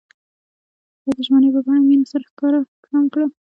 هغوی د ژمنې په بڼه مینه سره ښکاره هم کړه.